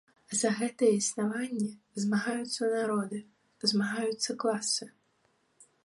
За гэтае існаванне змагаюцца народы, змагаюцца класы.